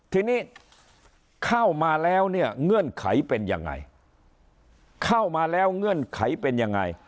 ทีนี้เข้ามาแล้วเนี่ยเงื่อนไขเป็นยังไงเข้ามาแล้วเงื่อนไขเป็นยังไง